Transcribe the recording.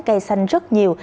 cây xanh rất nhiều